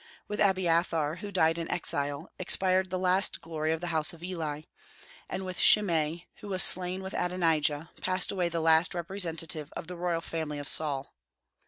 With Abiathar, who died in exile, expired the last glory of the house of Eli; and with Shimei, who was slain with Adonijah, passed away the last representative of the royal family of Saul.